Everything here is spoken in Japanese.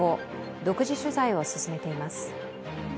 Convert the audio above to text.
独自取材を進めています。